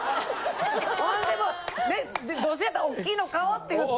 ほんでもうどうせやったら大きいの買おうって言って。